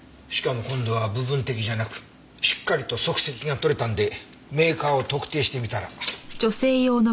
しかも今度は部分的じゃなくしっかりと足跡が採れたんでメーカーを特定してみたら。